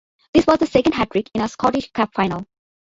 This was the second hat-trick in a Scottish Cup Final.